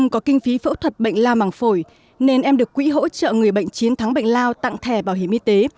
cao mẳng phổi nên em được quỹ hỗ trợ người bệnh chiến thắng bệnh lao tặng thẻ bảo hiểm y tế